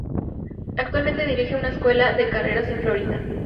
Actualmente dirige una escuela de carreras en Florida.